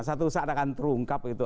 satu saat akan terungkap